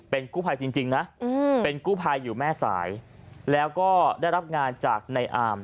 เป็นกู้ภัยจริงนะเป็นกู้ภัยอยู่แม่สายแล้วก็ได้รับงานจากในอาม